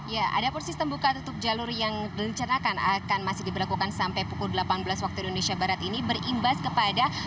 ya ada pun sistem buka tutup jalur yang direncanakan akan masih diberlakukan sampai pukul delapan belas waktu indonesia barat ini berimbas kepada